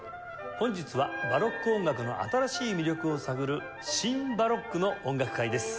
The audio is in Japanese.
本日はバロック音楽の新しい魅力を探るシン・バロックの音楽会です。